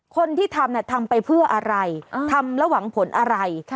คนที่ทำทำไปเพื่ออะไรทำแล้วหวังผลอะไร